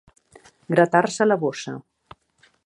Gratar-se la bossa.